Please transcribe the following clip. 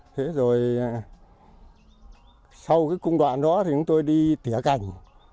thế rồi sau cái cung đoạn đó thì chúng tôi đi tỉa cành